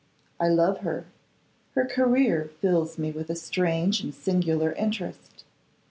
'I love her; her career fills me with a strange and singular interest.